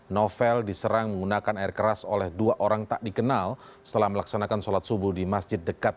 novel diserang menggunakan air keras oleh dua orang tak dikenal setelah melaksanakan sholat subuh di masjid dekat